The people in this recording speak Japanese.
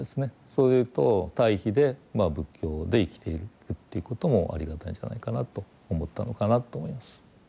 そういうと対比で仏教で生きていくっていうこともありがたいんじゃないかなと思ったのかなと思います。